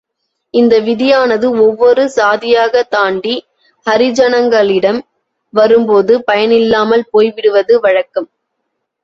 இந்த விதியானது ஒவ்வொரு சாதியாகத் தாண்டி ஹரிஜனங்களிடம் வரும்போது பயனில்லாமல் போய்விடுவது வழக்கம்.